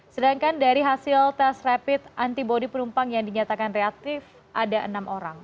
sedangkan dari hasil tes rapid antibody penumpang yang dinyatakan reaktif ada enam orang